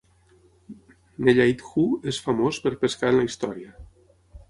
Nellaidhoo és famós per pescar en la història.